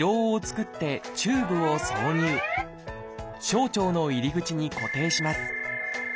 小腸の入り口に固定します。